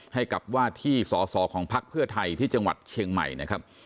ให้กับว่าที่สอสอของพักเพื่อไทยที่จังหวัดเชียงใหม่นะครับ